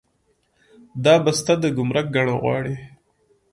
دا بسته د ګمرک ګڼه غواړي.